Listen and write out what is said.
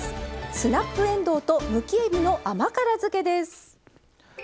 スナップえんどうとむきえびの甘辛づけです。